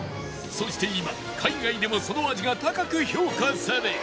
そして今海外でもその味が高く評価され